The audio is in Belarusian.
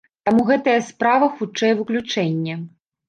Таму гэтая справа хутчэй выключэнне.